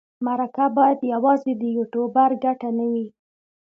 مرکه باید یوازې د یوټوبر ګټه نه وي.